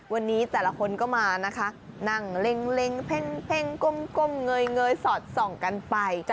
วันนี้แต่ละคนก็มานะคะนั่งเล็งเพ่งก้มเงยสอดส่องกันไป